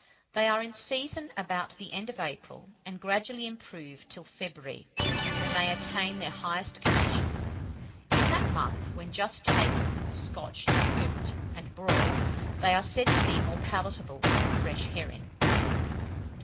They are in season about the end of April, and gradually improve till February, when they attain their highest condition. In that month, when just taken, scotched (crimped), and broiled, they are said to be more palatable than a fresh herring.